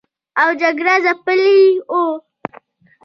او جګړو ځپلي و